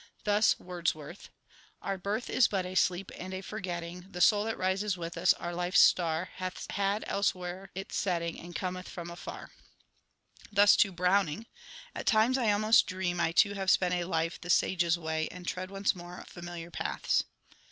Thus Wordsworth : Our birth is but a sleep and a forgetting ; The soul that rises with us, our life s star Hath had elsewhere its setting, And cometh from afar ; Thus, too, Browning : At times I almost dream I too have spent a life the sages way, And tread once more familiar paths.